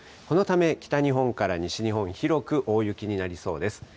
このため北日本から西日本、広く大雪になりそうです。